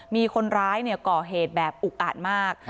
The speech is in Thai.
มีคนร้ายเนี่ยก่อเหตุแบบอุกอัดมาก